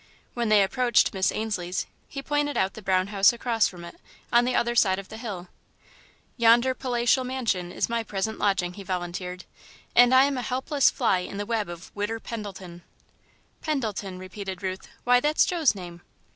When they approached Miss Ainslie's he pointed out the brown house across from it, on the other side of the hill. "Yonder palatial mansion is my present lodging," he volunteered, "and I am a helpless fly in the web of the 'Widder' Pendleton." "Pendleton," repeated Ruth; "why, that's Joe's name."